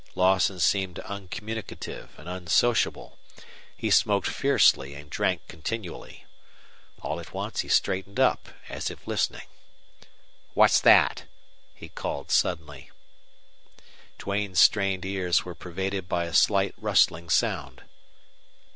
Lawson seemed uncommunicative and unsociable. He smoked fiercely and drank continually. All at once he straightened up as if listening. "What's that?" he called, suddenly. Duane's strained ears were pervaded by a slight rustling sound.